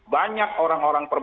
banyak orang orang lain